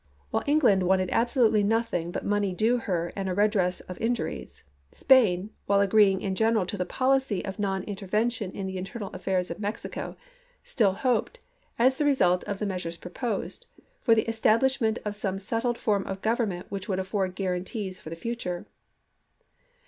While England wanted absolutely nothing but money due her and a redress of injuries, Spain, while agreeing in general to the policy of non interven tion in the internal affairs of Mexico, still hoped, as the result of the measures proposed, for the estab lishment of some settled form of government which would afford guarantees for the future.